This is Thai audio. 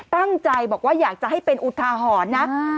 ตั้งใจบอกว่าอยากจะให้เป็นอุทาหรณ์นะ